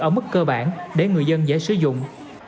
ở mức cơ bản để người dân dễ sử dụng